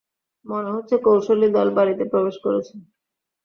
মনে হচ্ছে কৌশলী দল বাড়িতে প্রবেশ করেছে।